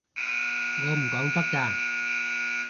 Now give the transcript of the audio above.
我唔講得㗎